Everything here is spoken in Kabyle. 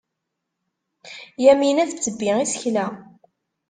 Yamina tettebbi isekla.